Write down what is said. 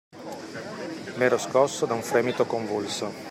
Ma era scosso da un fremito convulso.